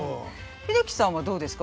英樹さんはどうですか？